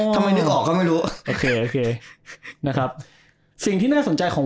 ทำไมนึกออกก็ไม่รู้โอเคโอเคนะครับสิ่งที่น่าสนใจของ